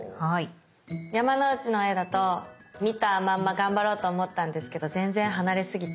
山之内の絵だと見たまんま頑張ろうと思ったんですけど全然離れすぎて。